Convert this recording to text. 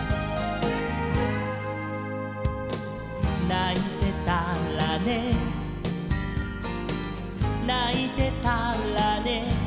「ないてたらねないてたらね」